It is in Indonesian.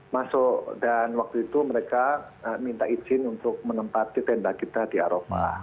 masuk dan waktu itu mereka minta izin untuk menempati tenda kita di arafah